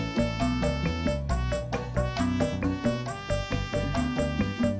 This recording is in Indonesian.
kebetulan ada yang praktis